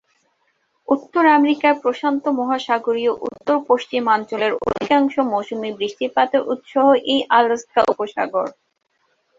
উত্তর আমেরিকার প্রশান্ত মহাসাগরীয় উত্তর-পশ্চিমাঞ্চলের অধিকাংশ মৌসুমী বৃষ্টিপাতের উৎস এই আলাস্কা উপসাগর।